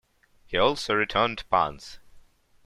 He also returned punts.